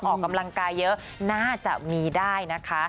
ออกกำลังกายเยอะน่าจะมีได้นะคะ